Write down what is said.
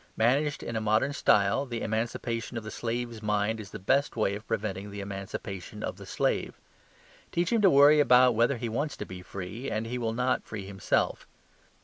Managed in a modern style the emancipation of the slave's mind is the best way of preventing the emancipation of the slave. Teach him to worry about whether he wants to be free, and he will not free himself.